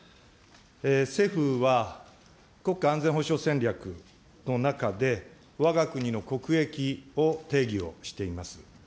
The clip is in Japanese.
政府は国家安全保障戦略の中で、わが国の国益を定義をしています。